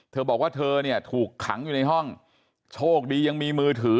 เธอบอกว่าเธอเนี่ยถูกขังอยู่ในห้องโชคดียังมีมือถือ